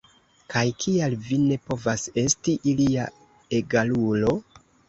Kaj kial vi ne povas esti ilia egalulo?